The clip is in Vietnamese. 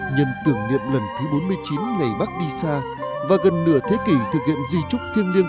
nhân tưởng niệm lần thứ bốn mươi chín ngày bác đi xa và gần nửa thế kỷ thực hiện di trúc thiêng liêng